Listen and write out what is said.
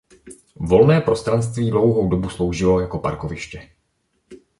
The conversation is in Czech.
Volné prostranství dlouhou dobu sloužilo jako parkoviště.